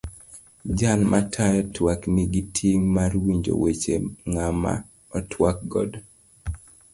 Jal matayo twak nigi ting' mar winjo weche ng'ama otwak godo.